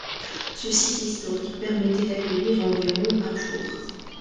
Ce site historique permettait d'accueillir environ par jour.